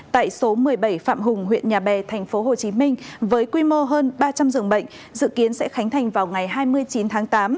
tại số một mươi bảy phạm hùng huyện nhà bè tp hcm với quy mô hơn ba trăm linh dường bệnh dự kiến sẽ khánh thành vào ngày hai mươi chín tháng tám